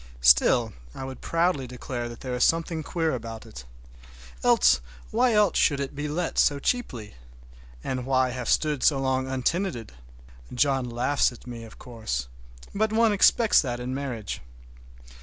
Still I will proudly declare that there is something queer about it. Else, why should it be let so cheaply? And why have stood so long untenanted? John laughs at me, of course, but one expects that in marriage.